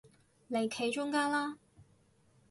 嚟企中間啦